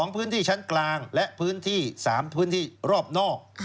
พื้นที่ชั้นกลางและพื้นที่๓พื้นที่รอบนอก